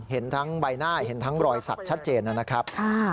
เห็นทั้งใบหน้าเห็นทั้งรอยสักชัดเจนนะครับ